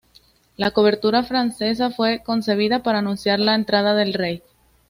La obertura francesa fue concebida para anunciar la entrada del rey.